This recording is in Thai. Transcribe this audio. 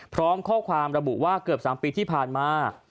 พร้อมข้อความระบุว่าเกือบ๓ปีที่ผ่านมา